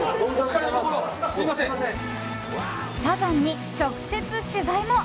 サザンに直接取材も！